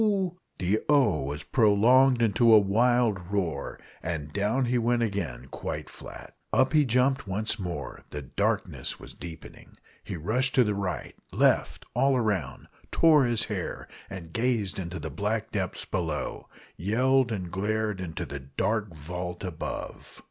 The "O!" was prolonged into a wild roar, and down he went again quite flat. Up he jumped once more; the darkness was deepening. He rushed to the right left all round tore his hair, and gazed into the black depths below yelled and glared into the dark vault above!